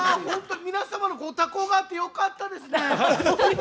本当、皆様にご多幸があってよかったですね。